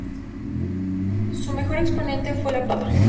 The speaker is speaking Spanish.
Su mejor exponente fue la papa.